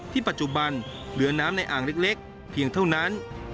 ปัจจุบันเหลือน้ำในอ่างเล็กเพียงเท่านั้น